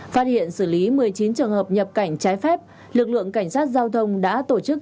phát hiện xử lý một mươi chín trường hợp nhập cảnh trái phép lực lượng cảnh sát giao thông đã tổ chức